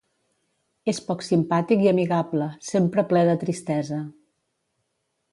És poc simpàtic i amigable, sempre ple de tristesa.